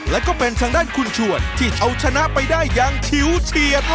และก็เป็นทางด้านคุณชวนที่จะเชิญได้ยังถิวเฉียดนะครับ